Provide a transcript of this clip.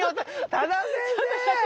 多田先生！